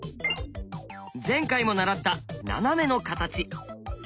前回も習ったナナメの形。